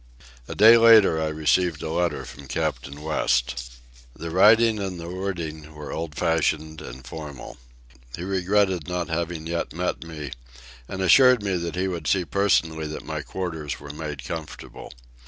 A day later I received a letter from Captain West. The writing and the wording were old fashioned and formal. He regretted not having yet met me, and assured me that he would see personally that my quarters were made comfortable.